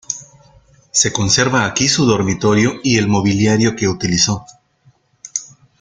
Se conserva aquí su dormitorio y el mobiliario que utilizó.